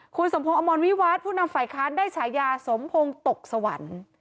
คุณสมพงศ์อมรวิวัฒน์ผู้นำฝ่ายค้านได้ฉายาสมพงศ์ตกสวรรค์